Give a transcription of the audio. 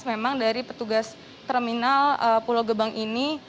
memang dari petugas terminal pulau gebang ini